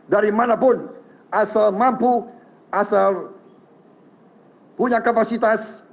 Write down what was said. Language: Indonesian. dari manapun asal mampu asal punya kapasitas